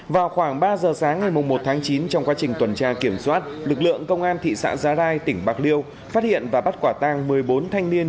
vào khoảng ba giờ sáng ngày một tháng chín trong quá trình tuần tra kiểm soát lực lượng công an thị xã giá rai tỉnh bạc liêu phát hiện và bắt quả tang một mươi bốn thanh niên